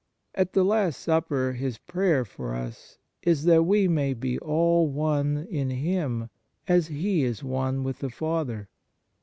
At the Last Supper His prayer for us is that we may be all one in Him, as He is one with the Father.